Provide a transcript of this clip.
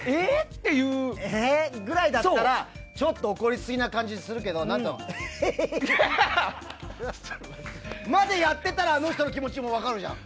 っていうぐらいだったらちょっと怒りすぎな感じがするけどえへへへまでやってたらあの人の気持ちも分かるじゃん。